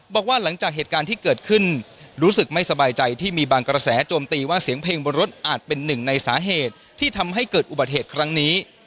บอกว่าหลังจากเหตุการณ์ที่เกิดขึ้นรู้สึกไม่สบายใจที่มีบางกระแสโจมตีว่าเสียงเพลงบนรถอาจเป็นหนึ่งในสาเหตุที่ทำให้เกิดอุบัติเหตุครั้งนี้